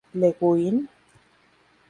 Le Guin?